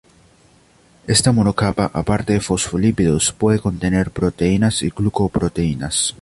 Esta monocapa, aparte de fosfolípidos, puede contener proteínas y glucoproteínas.